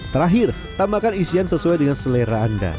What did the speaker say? terakhir tambahkan isian sesuai dengan selera anda